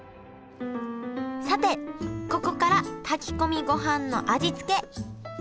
さてここから炊き込みごはんの味付け。